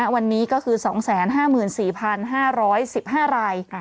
วันนี้ก็คือ๒๕๔๕๑๕ราย